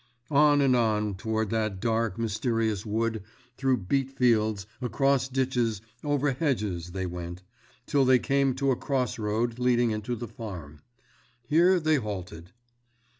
On and on toward that dark, mysterious wood through beet fields, across ditches, over hedges they went, till they came to a cross road leading into the farm. Here they halted.